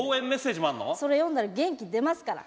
それ読んだら元気出ますから。